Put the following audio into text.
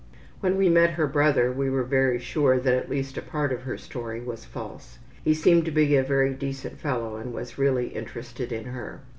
When we met her brother we were very sure that at least a part of her story was false. He seemed to be a very decent fellow and was really interested in her.